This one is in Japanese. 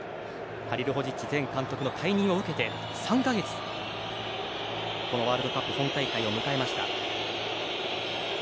ハリルホジッチ前監督の解任を受けて３か月でこのワールドカップ本大会を迎えました。